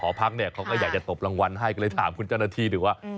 หอพักเนี่ยเพราะอยากตบรางวัลไห้เลยถามคนจรณาที่ดูว่า